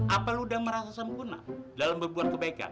apa lu udah merasa sempurna dalam berbuat kebaikan